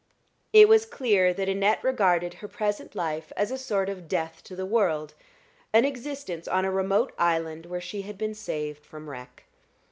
It was clear that Annette regarded her present life as a sort of death to the world an existence on a remote island where she had been saved from wreck.